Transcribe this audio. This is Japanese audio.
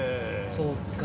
そうか。